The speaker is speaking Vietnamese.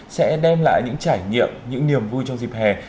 sẽ đem lại những trải nghiệm những niềm vui cho dịp hè